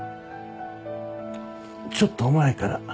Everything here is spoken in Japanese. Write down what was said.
ちょっと前から。